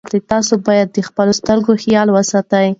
تاسي باید د خپلو سترګو خیال وساتئ.